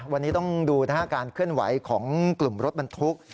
วันนี้ต้องดูการเคลื่อนไหวของกลุ่มรถบรรทุก